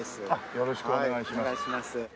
よろしくお願いします。